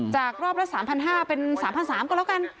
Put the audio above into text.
จากรอบละ๓๕๐๐เป็น๓๓๐๐ก็แล้วกัน